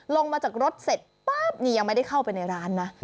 ลงมาจากรถเสร็จปั๊บนี่ยังไม่ได้เข้าไปในร้านนะ